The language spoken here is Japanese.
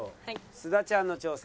須田ちゃんの挑戦。